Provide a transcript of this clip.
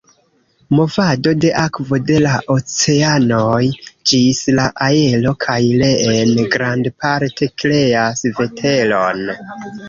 Movado de akvo de la oceanoj ĝis la aero kaj reen grandparte kreas veteron.